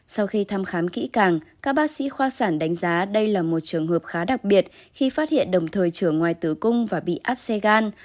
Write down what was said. sau khi thăm khám kỹ càng các bác sĩ khoa sản đánh giá đây là một trường hợp khá đặc biệt khi phát hiện đồng thời trở ngoài tử cung và bị áp xe gan